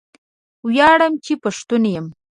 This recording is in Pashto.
ویاړم چې پښتون یم